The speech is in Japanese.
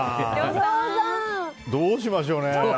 どうしましょうね。